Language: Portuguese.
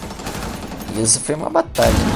E isso foi uma batalha.